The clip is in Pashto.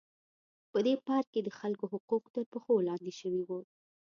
په دې پارک کې د خلکو حقوق تر پښو لاندې شوي وو.